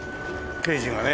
刑事がね